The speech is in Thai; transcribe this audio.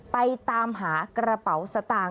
ไปตามหากระเป๋าสะทาง